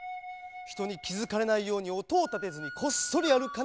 ひとにきづかれないようにおとをたてずにこっそりあるかねばならん。